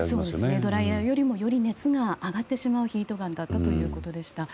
ドライヤーよりもより熱が上がってしまうヒートガンだったということでした。